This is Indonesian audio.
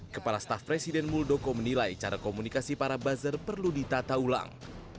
kepala staf presiden muldoko menilai cara komunikasi para buzzer perlu ditata ulang